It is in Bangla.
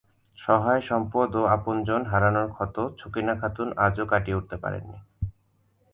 সহায় সম্পদ ও আপনজন হারানোর ক্ষত ছকিনা খাতুন আজও কাটিয়ে উঠতে পারেননি।